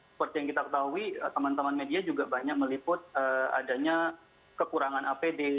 seperti yang kita ketahui teman teman media juga banyak meliput adanya kekurangan apd